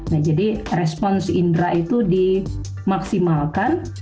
nah jadi respons indra itu dimaksimalkan